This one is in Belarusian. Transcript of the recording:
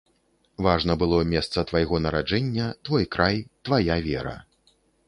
Важна было месца твайго нараджэння, твой край, твая вера.